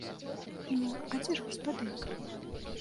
Ну, а дзе ж гаспадынька?